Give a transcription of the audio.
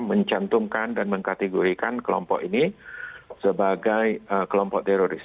mencantumkan dan mengkategorikan kelompok ini sebagai kelompok teroris